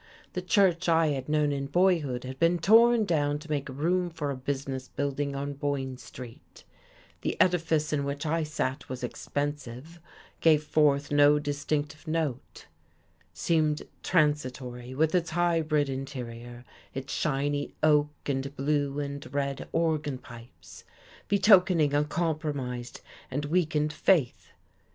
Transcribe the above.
The church I had known in boyhood had been torn down to make room for a business building on Boyne Street; the edifice in which I sat was expensive, gave forth no distinctive note; seemingly transitory with its hybrid interior, its shiny oak and blue and red organ pipes, betokening a compromised and weakened faith.